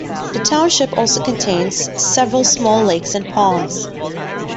The township also contains several small lakes and ponds.